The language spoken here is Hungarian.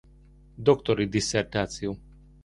Doktori disszertáció.